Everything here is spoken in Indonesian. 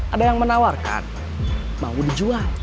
ada yang menawarkan mau dijual